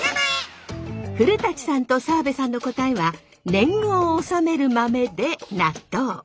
古さんと澤部さんの答えは年貢を納める豆で納豆。